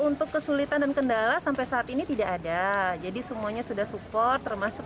untuk kesulitan dan kendala sampai saat ini tidak ada jadi semuanya sudah support termasuk